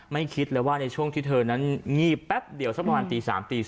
คิดเลยว่าในช่วงที่เธอนั้นงีบแป๊บเดียวสักประมาณตี๓ตี๓